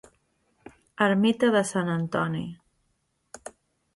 Ermita de Sant Antoni